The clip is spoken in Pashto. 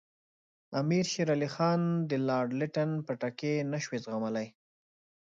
امیر شېر علي خان د لارډ لیټن پټکې نه شو زغملای.